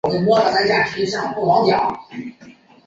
次日颜色格外鲜明。